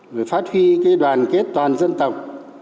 rồi phát huy cái đoàn kết toàn dân tộc